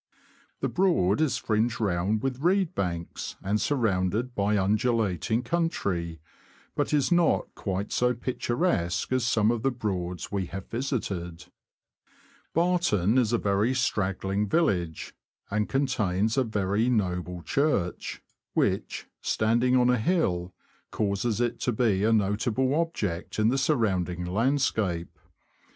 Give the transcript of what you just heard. The Broad is fringed round with reed banks, and surrounded by undulating country, but is not quite so picturesque as some of the Broads we have visited. Barton is a very straggling village, and contains Stained glass Panel Barton Church. 160 THE LAND OF THE BROADS. a very noble church, which, standing on a hill, causes it to be a notable object in the surrounding landscape.